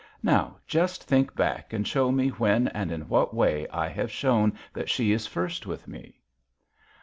'Now, just think back and show me when and in what way I have shown that she is first with me!'